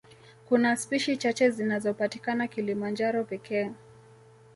Kuna spishi chache zinazopatikana Kilimanjaro pekee